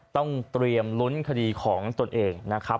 ต้องเตรียมลุ้นคดีของตนเองนะครับ